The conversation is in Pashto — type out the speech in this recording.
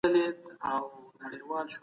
لويې سياسي پرېکړې د ټولنې راتلونکی ټاکي.